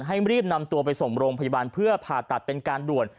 รีบนำตัวไปส่งโรงพยาบาลเพื่อผ่าตัดเป็นการด่วน